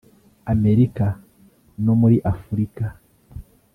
Amerika no muri Afurika